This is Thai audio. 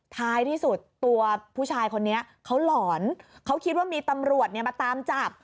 ท้ายที่สุดตัวผู้ชายคนนี้เขาหลอนเขาคิดว่ามีตำรวจเนี่ยมาตามจับ